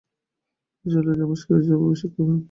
তিনি জেরুজালেম, দামেস্ক ও এরজুরুমে শিক্ষা গ্রহণ করেন।